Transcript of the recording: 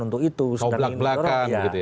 untuk itu kalau belak belakan gitu ya